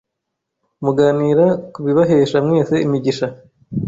muganira ku bibahesha mwese imigisha.